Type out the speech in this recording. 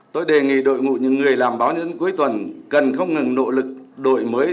tôi đề nghị đội ngũ những người làm báo nhân dân cuối tuần cần không ngừng nỗ lực đội mới